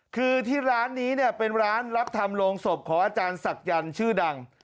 คือที่ร้านนี้เนี่ยเป็นร้านรับทำโรงศพของอาจารย์ศักยันต์ชื่อดัง